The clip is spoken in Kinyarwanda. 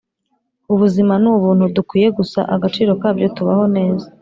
ubuzima nubuntu dukwiye gusa agaciro kabyo tubaho neza.